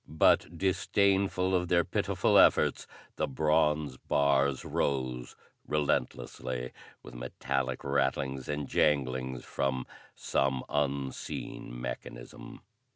But, disdainful of their pitiful efforts, the bronze bars rose relentlessly with metallic rattlings and janglings from some unseen mechanism.